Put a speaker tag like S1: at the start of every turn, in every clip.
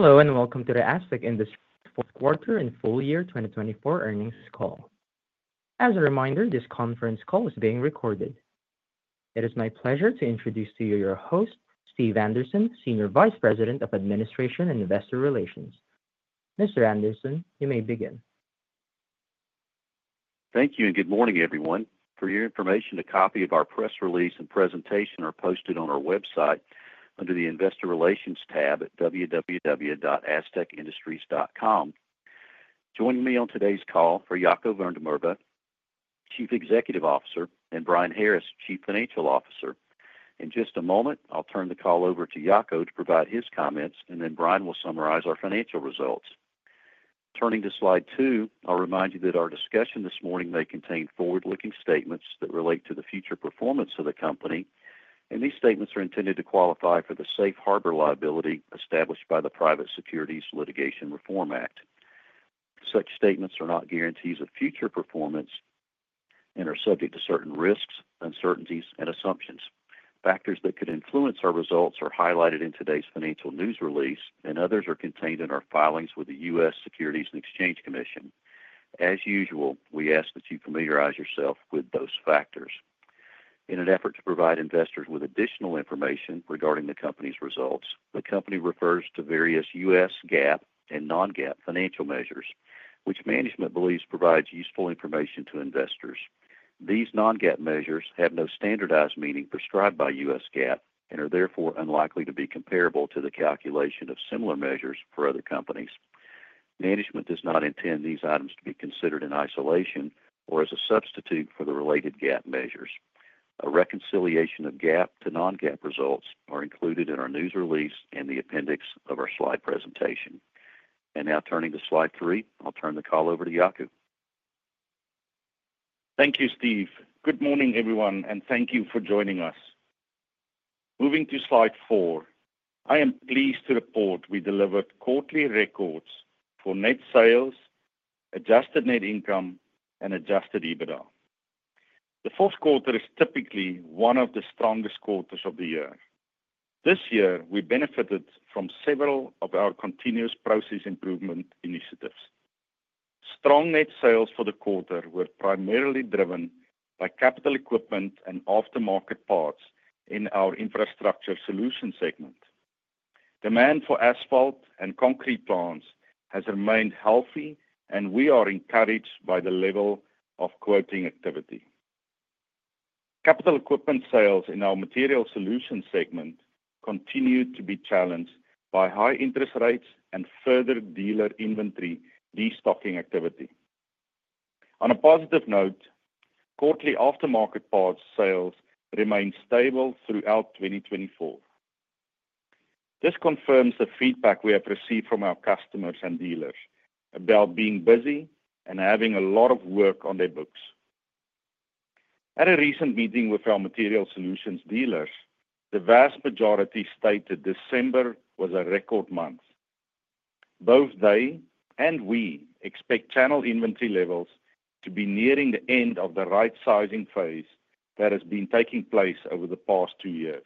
S1: Hello, and welcome to the Astec Industries Fourth Quarter and Full Year 2024 earnings call. As a reminder, this conference call is being recorded. It is my pleasure to introduce to you your host, Steve Anderson, Senior Vice President of Administration and Investor Relations. Mr. Anderson, you may begin.
S2: Thank you, and good morning, everyone. For your information, a copy of our press release and presentation are posted on our website under the Investor Relations tab at www.astecindustries.com. Joining me on today's call are Jaco van der Merwe, Chief Executive Officer, and Brian Harris, Chief Financial Officer. In just a moment, I'll turn the call over to Jaco to provide his comments, and then Brian will summarize our financial results. Turning to slide two, I'll remind you that our discussion this morning may contain forward-looking statements that relate to the future performance of the company, and these statements are intended to qualify for the safe harbor liability established by the Private Securities Litigation Reform Act. Such statements are not guarantees of future performance and are subject to certain risks, uncertainties, and assumptions. Factors that could influence our results are highlighted in today's financial news release, and others are contained in our filings with the U.S. Securities and Exchange Commission. As usual, we ask that you familiarize yourself with those factors. In an effort to provide investors with additional information regarding the company's results, the company refers to various U.S. GAAP and non-GAAP financial measures, which management believes provide useful information to investors. These non-GAAP measures have no standardized meaning prescribed by U.S. GAAP and are therefore unlikely to be comparable to the calculation of similar measures for other companies. Management does not intend these items to be considered in isolation or as a substitute for the related GAAP measures. A reconciliation of GAAP to non-GAAP results is included in our news release and the appendix of our slide presentation, and now, turning to slide three, I'll turn the call over to Jaco.
S3: Thank you, Steve. Good morning, everyone, and thank you for joining us. Moving to slide four, I am pleased to report we delivered quarterly records for net sales, adjusted net income, and adjusted EBITDA. The fourth quarter is typically one of the strongest quarters of the year. This year, we benefited from several of our continuous process improvement initiatives. Strong net sales for the quarter were primarily driven by capital equipment and aftermarket parts in our Infrastructure Solutions segment. Demand for asphalt and concrete plants has remained healthy, and we are encouraged by the level of quoting activity. Capital equipment sales in our Material Solutions segment continued to be challenged by high interest rates and further dealer inventory destocking activity. On a positive note, quarterly aftermarket parts sales remained stable throughout 2024. This confirms the feedback we have received from our customers and dealers about being busy and having a lot of work on their books. At a recent meeting with our Material Solutions dealers, the vast majority stated December was a record month. Both they and we expect channel inventory levels to be nearing the end of the right-sizing phase that has been taking place over the past two years.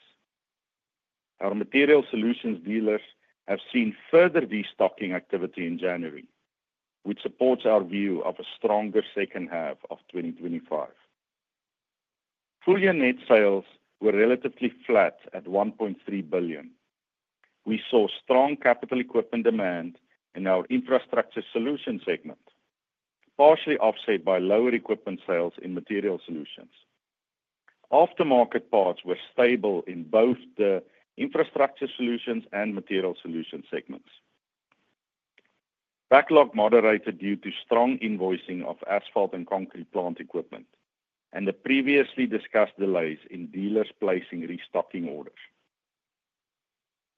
S3: Our Material Solutions dealers have seen further destocking activity in January, which supports our view of a stronger second half of 2025. Full-year net sales were relatively flat at $1.3 billion. We saw strong capital equipment demand in our Infrastructure Solutions segment, partially offset by lower equipment sales in Material Solutions. Aftermarket parts were stable in both the Infrastructure Solutions and Material Solutions segments. Backlog moderated due to strong invoicing of asphalt and concrete plant equipment and the previously discussed delays in dealers placing restocking orders.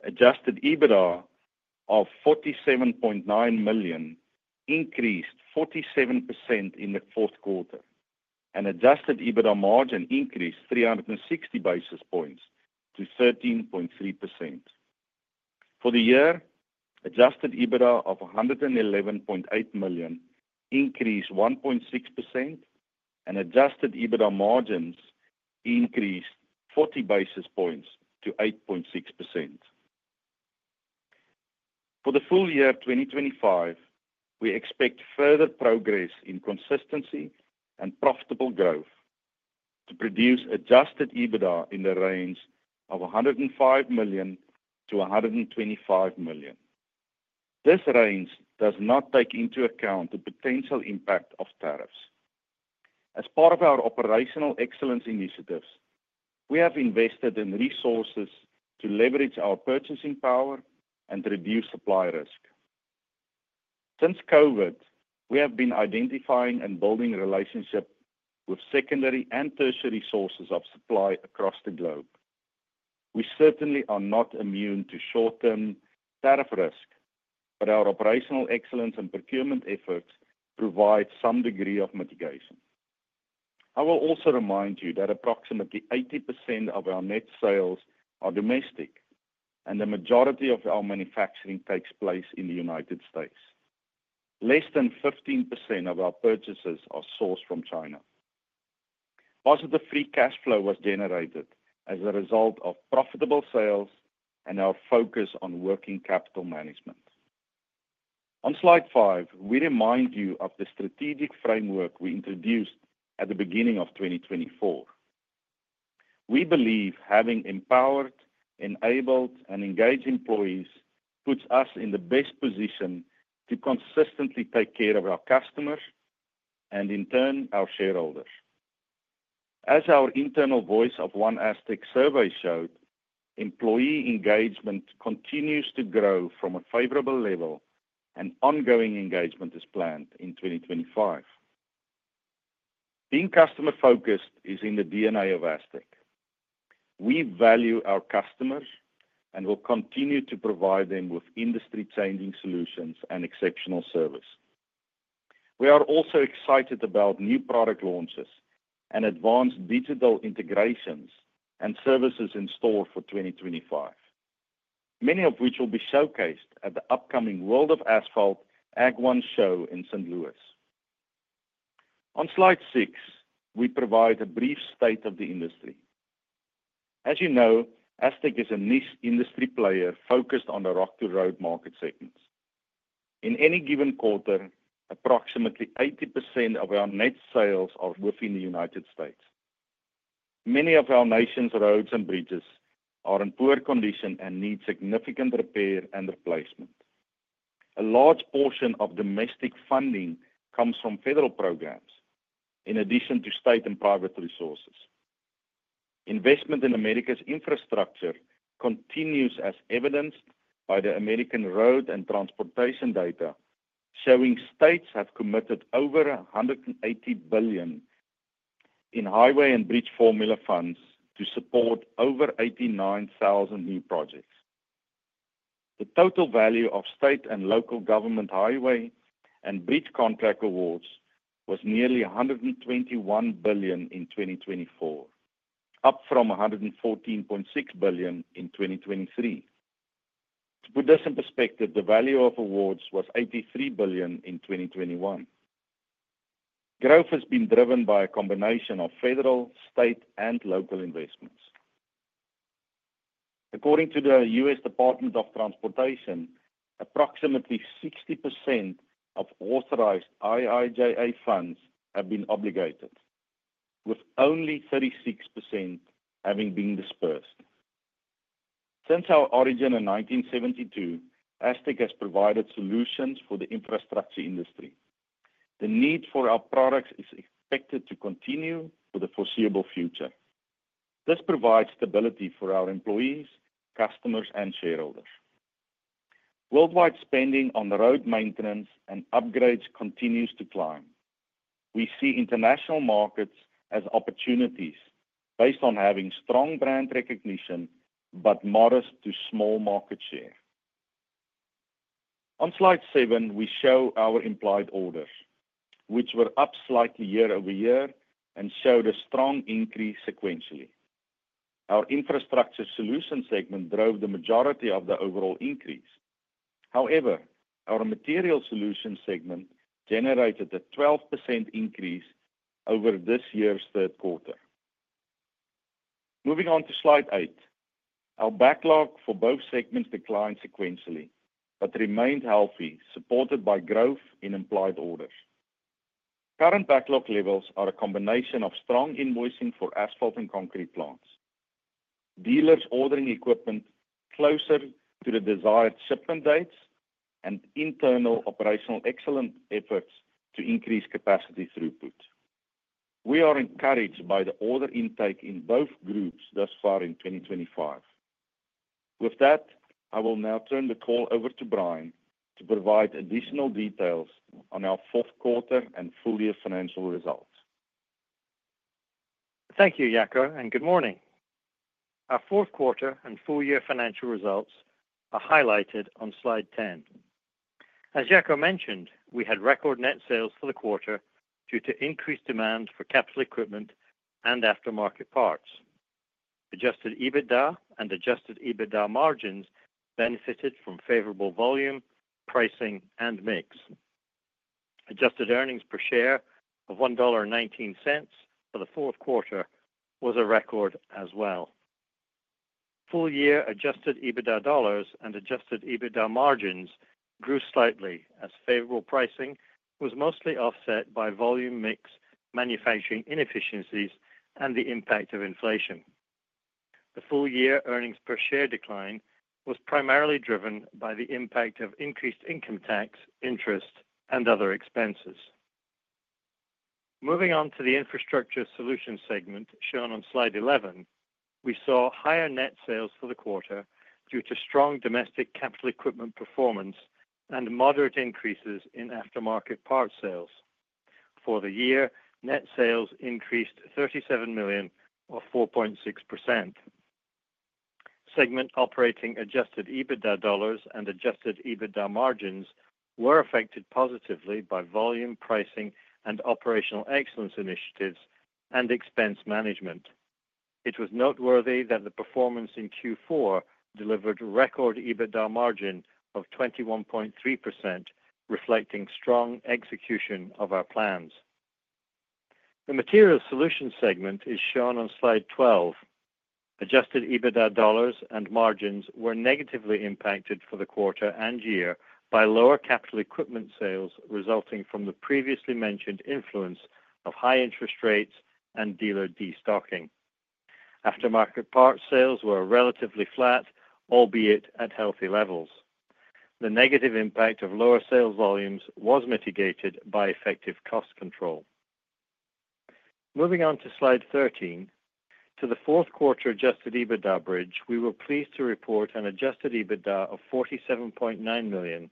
S3: Adjusted EBITDA of $47.9 million increased 47% in the fourth quarter, and adjusted EBITDA margin increased 360 basis points to 13.3%. For the year, adjusted EBITDA of $111.8 million increased 1.6%, and adjusted EBITDA margins increased 40 basis points to 8.6%. For the full year 2025, we expect further progress in consistency and profitable growth to produce adjusted EBITDA in the range of $105 million-$125 million. This range does not take into account the potential impact of tariffs. As part of our operational excellence initiatives, we have invested in resources to leverage our purchasing power and reduce supply risk. Since COVID, we have been identifying and building relationships with secondary and tertiary sources of supply across the globe. We certainly are not immune to short-term tariff risk, but our operational excellence and procurement efforts provide some degree of mitigation. I will also remind you that approximately 80% of our net sales are domestic, and the majority of our manufacturing takes place in the United States. Less than 15% of our purchases are sourced from China. Positive free cash flow was generated as a result of profitable sales and our focus on working capital management. On slide five, we remind you of the strategic framework we introduced at the beginning of 2024. We believe having empowered, enabled, and engaged employees puts us in the best position to consistently take care of our customers and, in turn, our shareholders. As our internal voice of One Astec survey showed, employee engagement continues to grow from a favorable level, and ongoing engagement is planned in 2025. Being customer-focused is in the DNA of Astec. We value our customers and will continue to provide them with industry-changing solutions and exceptional service. We are also excited about new product launches and advanced digital integrations and services in store for 2025, many of which will be showcased at the upcoming World of Asphalt AGG1 show in St. Louis. On slide six, we provide a brief state of the industry. As you know, Astec is a niche industry player focused on the rock-to-road market segments. In any given quarter, approximately 80% of our net sales are within the United States. Many of our nation's roads and bridges are in poor condition and need significant repair and replacement. A large portion of domestic funding comes from federal programs, in addition to state and private resources. Investment in America's infrastructure continues, as evidenced by the American road and transportation data, showing states have committed over $180 billion in highway and bridge formula funds to support over 89,000 new projects. The total value of state and local government highway and bridge contract awards was nearly $121 billion in 2024, up from $114.6 billion in 2023. To put this in perspective, the value of awards was $83 billion in 2021. Growth has been driven by a combination of federal, state, and local investments. According to the U.S. Department of Transportation, approximately 60% of authorized IIJA funds have been obligated, with only 36% having been dispersed. Since our origin in 1972, Astec has provided solutions for the infrastructure industry. The need for our products is expected to continue for the foreseeable future. This provides stability for our employees, customers, and shareholders. Worldwide spending on road maintenance and upgrades continues to climb. We see international markets as opportunities based on having strong brand recognition but modest to small market share. On slide seven, we show our implied orders, which were up slightly year over year and showed a strong increase sequentially. Our Infrastructure Solutions segment drove the majority of the overall increase. However, our Material Solutions segment generated a 12% increase over this year's third quarter. Moving on to slide eight, our backlog for both segments declined sequentially but remained healthy, supported by growth in implied orders. Current backlog levels are a combination of strong invoicing for asphalt and concrete plants, dealers ordering equipment closer to the desired shipment dates, and internal operational excellence efforts to increase capacity throughput. We are encouraged by the order intake in both groups thus far in 2025. With that, I will now turn the call over to Brian to provide additional details on our fourth quarter and full year financial results.
S4: Thank you, Jaco, and good morning. Our fourth quarter and full year financial results are highlighted on slide 10. As Jaco mentioned, we had record net sales for the quarter due to increased demand for capital equipment and aftermarket parts. Adjusted EBITDA and adjusted EBITDA margins benefited from favorable volume, pricing, and mix. Adjusted earnings per share of $1.19 for the fourth quarter was a record as well. Full year adjusted EBITDA dollars and adjusted EBITDA margins grew slightly as favorable pricing was mostly offset by volume mix manufacturing inefficiencies and the impact of inflation. The full year earnings per share decline was primarily driven by the impact of increased income tax, interest, and other expenses. Moving on to the Infrastructure Solutions segment shown on slide 11, we saw higher net sales for the quarter due to strong domestic capital equipment performance and moderate increases in aftermarket part sales. For the year, net sales increased $37 million or 4.6%. Segment operating adjusted EBITDA dollars and adjusted EBITDA margins were affected positively by volume, pricing, and operational excellence initiatives and expense management. It was noteworthy that the performance in Q4 delivered record EBITDA margin of 21.3%, reflecting strong execution of our plans. The Material Solutions segment is shown on slide 12. Adjusted EBITDA dollars and margins were negatively impacted for the quarter and year by lower capital equipment sales resulting from the previously mentioned influence of high interest rates and dealer destocking. Aftermarket part sales were relatively flat, albeit at healthy levels. The negative impact of lower sales volumes was mitigated by effective cost control. Moving on to slide 13, to the fourth quarter adjusted EBITDA bridge, we were pleased to report an adjusted EBITDA of $47.9 million,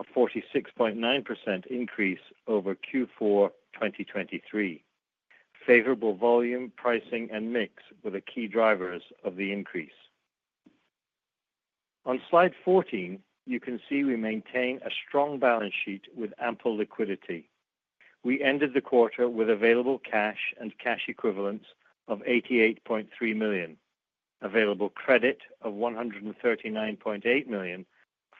S4: a 46.9% increase over Q4 2023. Favorable volume, pricing, and mix were the key drivers of the increase. On slide 14, you can see we maintain a strong balance sheet with ample liquidity. We ended the quarter with available cash and cash equivalents of $88.3 million, available credit of $139.8 million,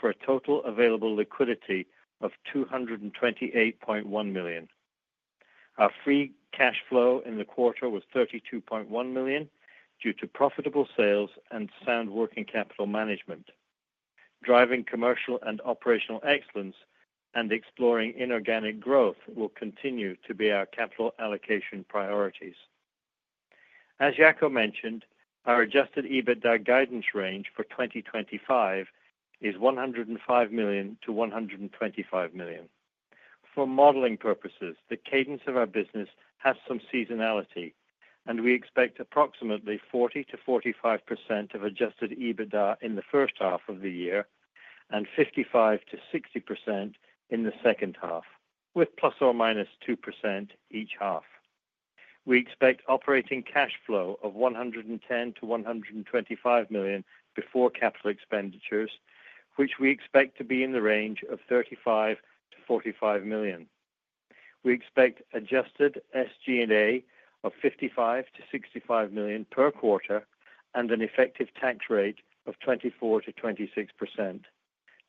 S4: for a total available liquidity of $228.1 million. Our free cash flow in the quarter was $32.1 million due to profitable sales and sound working capital management. Driving commercial and operational excellence and exploring inorganic growth will continue to be our capital allocation priorities. As Jaco mentioned, our adjusted EBITDA guidance range for 2025 is $105 million-$125 million. For modeling purposes, the cadence of our business has some seasonality, and we expect approximately 40%-45% of adjusted EBITDA in the first half of the year and 55%-60% in the second half, with plus or minus 2% each half. We expect operating cash flow of $110-$125 million before capital expenditures, which we expect to be in the range of $35-$45 million. We expect adjusted SG&A of $55-$65 million per quarter and an effective tax rate of 24%-26%.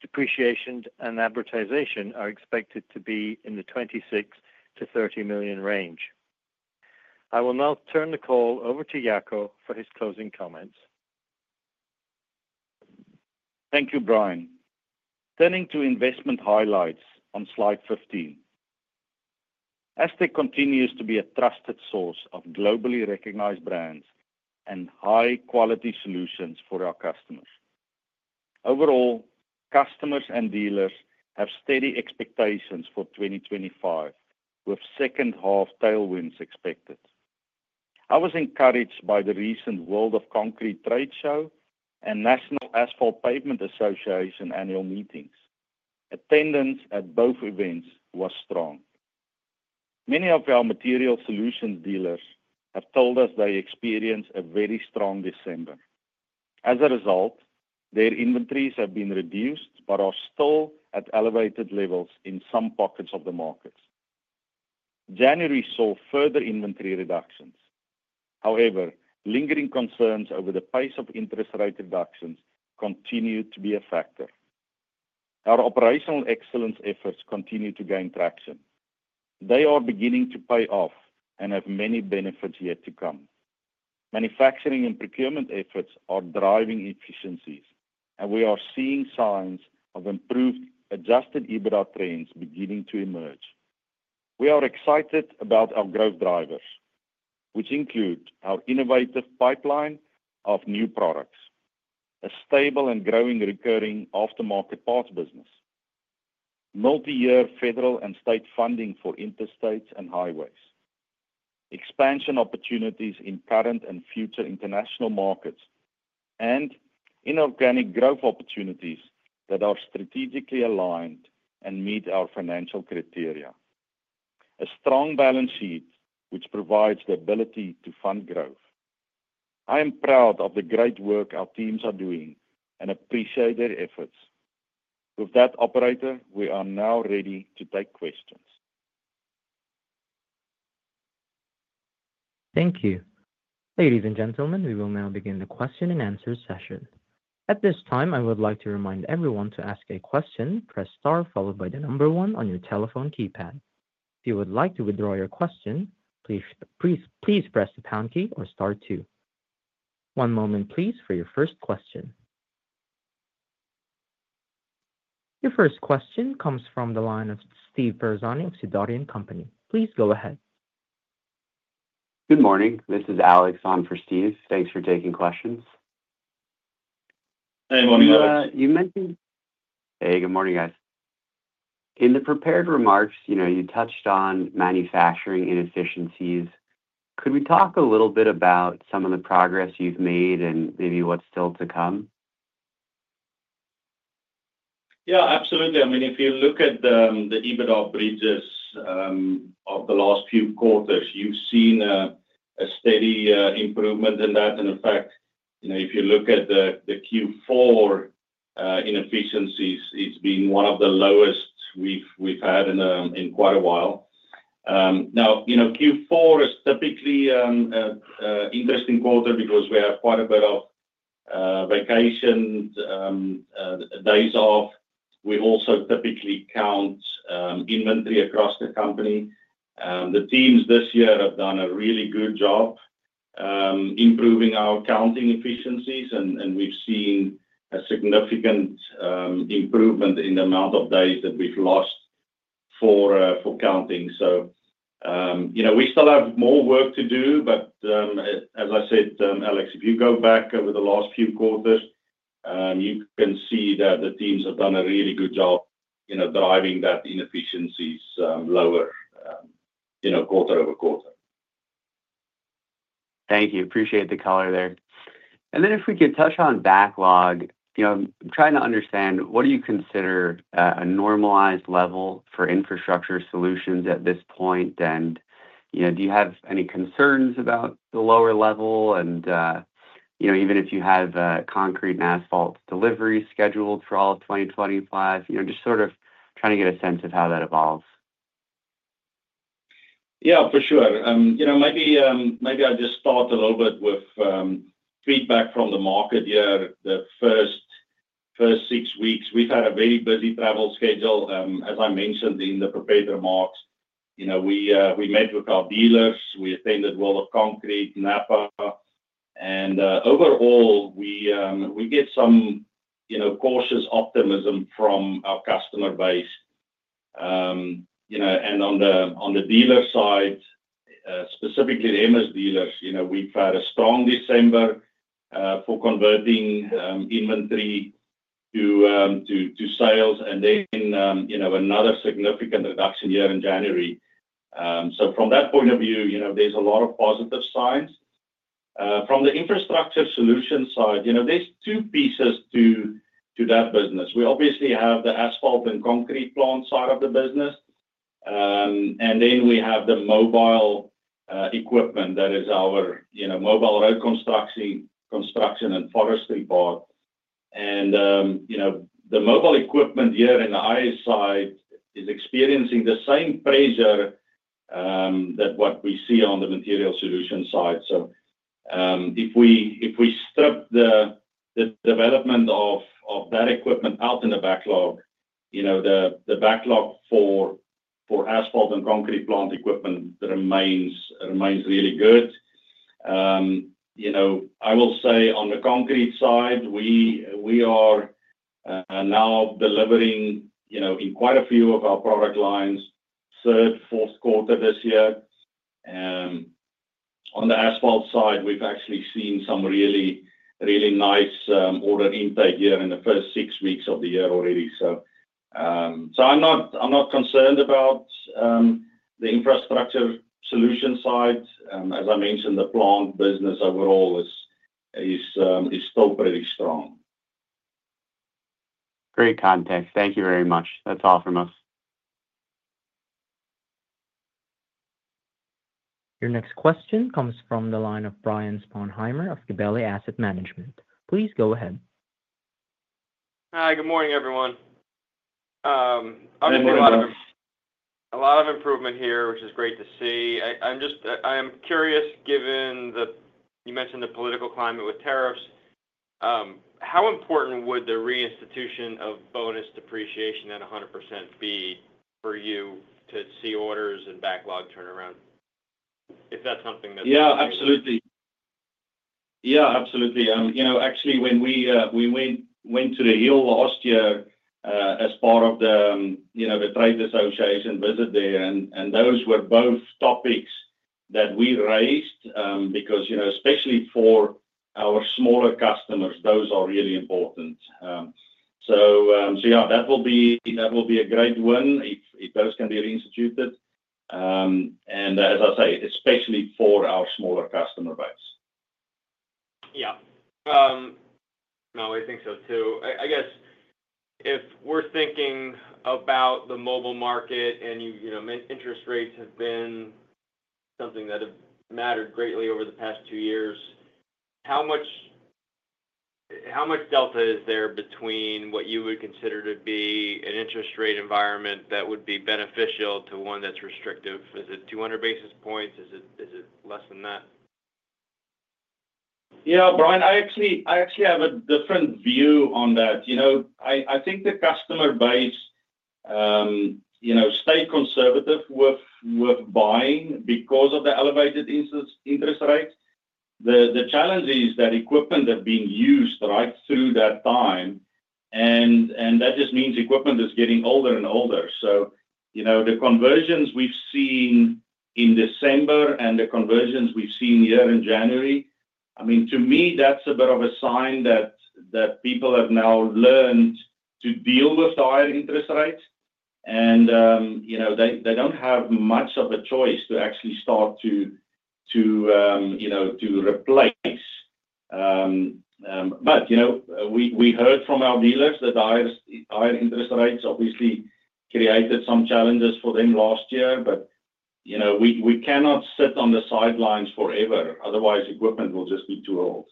S4: Depreciation and amortization are expected to be in the $26-$30 million range. I will now turn the call over to Jaco for his closing comments.
S3: Thank you, Brian. Turning to investment highlights on slide 15, Astec continues to be a trusted source of globally recognized brands and high-quality solutions for our customers. Overall, customers and dealers have steady expectations for 2025, with second-half tailwinds expected. I was encouraged by the recent World of Concrete trade show and National Asphalt Pavement Association annual meetings. Attendance at both events was strong. Many of our Material Solutions dealers have told us they experienced a very strong December. As a result, their inventories have been reduced but are still at elevated levels in some pockets of the markets. January saw further inventory reductions. However, lingering concerns over the pace of interest rate reductions continue to be a factor. Our operational excellence efforts continue to gain traction. They are beginning to pay off and have many benefits yet to come. Manufacturing and procurement efforts are driving efficiencies, and we are seeing signs of improved Adjusted EBITDA trends beginning to emerge. We are excited about our growth drivers, which include our innovative pipeline of new products, a stable and growing recurring aftermarket parts business, multi-year federal and state funding for interstates and highways, expansion opportunities in current and future international markets, and inorganic growth opportunities that are strategically aligned and meet our financial criteria. A strong balance sheet which provides the ability to fund growth. I am proud of the great work our teams are doing and appreciate their efforts. With that, operator, we are now ready to take questions.
S1: Thank you. Ladies and gentlemen, we will now begin the question and answer session. At this time, I would like to remind everyone to ask a question, press star followed by the number one on your telephone keypad. If you would like to withdraw your question, please press the pound key or Star two. One moment, please, for your first question. Your first question comes from the line of Steve Ferazani of Sidoti & Company. Please go ahead.
S5: Good morning. This is Alex on for Steve. Thanks for taking questions.
S3: Hey, morning, Alex.
S5: You mentioned. Hey, good morning, guys. In the prepared remarks, you touched on manufacturing inefficiencies. Could we talk a little bit about some of the progress you've made and maybe what's still to come? Yeah, absolutely. I mean, if you look at the EBITDA bridges of the last few quarters, you've seen a steady improvement in that. And in fact, if you look at the Q4 inefficiencies, it's been one of the lowest we've had in quite a while. Now, Q4 is typically an interesting quarter because we have quite a bit of vacations, days off. We also typically count inventory across the company. The teams this year have done a really good job improving our counting efficiencies, and we've seen a significant improvement in the amount of days that we've lost for counting.
S3: We still have more work to do, but as I said, Alex, if you go back over the last few quarters, you can see that the teams have done a really good job driving those inefficiencies lower quarter over quarter.
S5: Thank you. Appreciate the color there. And then if we could touch on backlog, I'm trying to understand what do you consider a normalized level for infrastructure solutions at this point, and do you have any concerns about the lower level? And even if you have concrete and asphalt delivery scheduled for all of 2025, just sort of trying to get a sense of how that evolves.
S3: Yeah, for sure. Maybe I'll just start a little bit with feedback from the market here. The first six weeks, we've had a very busy travel schedule. As I mentioned in the prepared remarks, we met with our dealers. We attended World of Concrete, NAPA, and overall, we get some cautious optimism from our customer base, and on the dealer side, specifically the Astec dealers, we've had a strong December for converting inventory to sales, and then another significant reduction here in January, so from that point of view, there's a lot of positive signs. From the Infrastructure Solutions side, there's two pieces to that business. We obviously have the asphalt and concrete plant side of the business, and then we have the mobile equipment that is our mobile road construction and forestry part. And the mobile equipment here in the IS side is experiencing the same pressure that what we see on the Material Solutions side. So if we strip the development of that equipment out in the backlog, the backlog for asphalt and concrete plant equipment remains really good. I will say on the concrete side, we are now delivering in quite a few of our product lines third, fourth quarter this year. On the asphalt side, we've actually seen some really nice order intake here in the first six weeks of the year already. So I'm not concerned about the Infrastructure Solutions side. As I mentioned, the plant business overall is still pretty strong.
S5: Great context. Thank you very much. That's all from us.
S1: Your next question comes from the line of Brian Sponheimer of Gabelli Asset Management. Please go ahead.
S6: Hi, good morning, everyone.
S3: Good morning.
S6: A lot of improvement here, which is great to see. I'm curious, given you mentioned the political climate with tariffs, how important would the reinstitution of bonus depreciation at 100% be for you to see orders and backlog turnaround? If that's something that.
S3: Yeah, absolutely. Yeah, absolutely. Actually, when we went to the Hill last year as part of the trade association visit there, and those were both topics that we raised because especially for our smaller customers, those are really important. So yeah, that will be a great win if those can be reinstituted. And as I say, especially for our smaller customer base.
S6: Yeah. No, I think so too. I guess if we're thinking about the mobile market and interest rates have been something that have mattered greatly over the past two years, how much delta is there between what you would consider to be an interest rate environment that would be beneficial to one that's restrictive? Is it 200 basis points? Is it less than that?
S3: Yeah, Brian, I actually have a different view on that. I think the customer base stayed conservative with buying because of the elevated interest rates. The challenge is that equipment has been used right through that time, and that just means equipment is getting older and older. So the conversions we've seen in December and the conversions we've seen here in January, I mean, to me, that's a bit of a sign that people have now learned to deal with higher interest rates, and they don't have much of a choice to actually start to replace. But we heard from our dealers that higher interest rates obviously created some challenges for them last year, but we cannot sit on the sidelines forever. Otherwise, equipment will just be too old.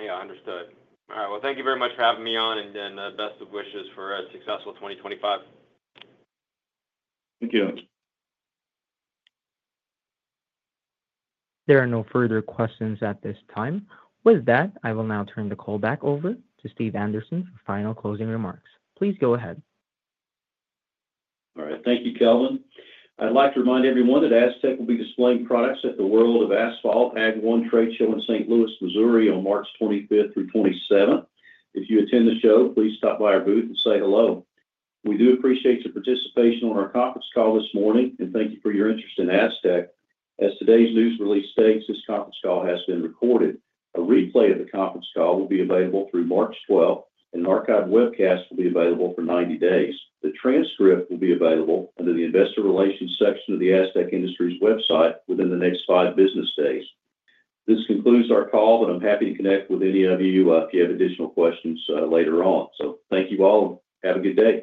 S6: Yeah, understood. All right. Well, thank you very much for having me on, and best of wishes for a successful 2025.
S3: Thank you.
S1: There are no further questions at this time. With that, I will now turn the call back over to Steve Anderson for final closing remarks. Please go ahead.
S2: All right. Thank you, Kelvin. I'd like to remind everyone that Astec will be displaying products at the World of Asphalt AGG1 trade show in St. Louis, Missouri, on March 25th through 27th. If you attend the show, please stop by our booth and say hello. We do appreciate your participation on our conference call this morning, and thank you for your interest in Astec. As today's news release states, this conference call has been recorded. A replay of the conference call will be available through March 12th, and an archived webcast will be available for 90 days. The transcript will be available under the investor relations section of the Astec Industries website within the next five business days. This concludes our call, but I'm happy to connect with any of you if you have additional questions later on. So thank you all. Have a good day.